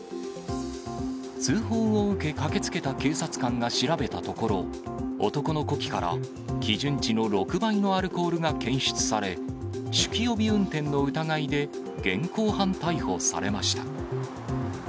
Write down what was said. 通報を受け、駆けつけた警察官が調べたところ、男の呼気から基準値の６倍のアルコールが検出され、酒気帯び運転の疑いで現行犯逮捕されました。